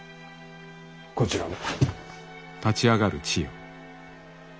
こちらも。